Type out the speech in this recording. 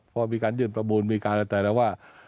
พอมีการยื่นประมูลมีการอะไรแต่ละว่า